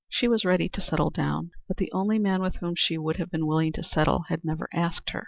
She was ready to settle down, but the only man with whom she would have been willing to settle had never asked her.